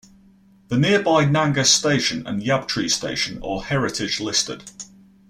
The nearby Nangus Station and Yabtree Station are heritage listed.